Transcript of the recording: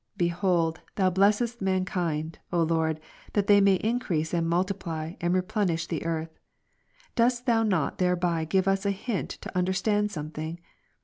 Behold, Thou blessest mankind, O Lord, that they may in crease and multiply, and replenish the earth ; dost Thou not thereby give us a hint to understand something?